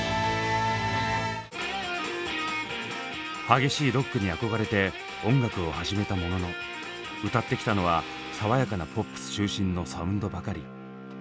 激しいロックに憧れて音楽を始めたものの歌ってきたのは爽やかなポップス中心のサウンドばかり。